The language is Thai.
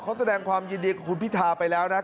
เขาแสดงความยินดีกับคุณพิธาไปแล้วนะครับ